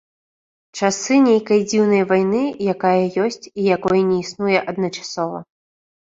Часы нейкай дзіўнай вайны, якая ёсць, і якой не існуе адначасова.